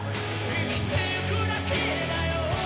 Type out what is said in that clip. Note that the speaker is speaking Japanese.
「生きていくだけだよ」